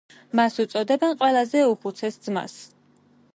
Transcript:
მას უწოდებენ „ყველაზე უხუცეს ძმას“.